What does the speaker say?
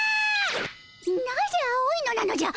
なぜ青いのなのじゃ！